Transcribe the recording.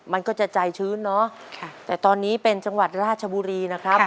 มันก็จะใจชื้นเนาะแต่ตอนนี้เป็นจังหวัดราชบุรีนะครับ